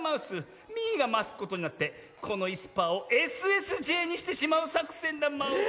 ミーがマスコットになってこのいすパーをＳＳＪにしてしまうさくせんだマウス。